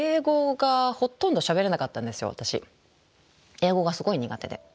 英語がすごい苦手で。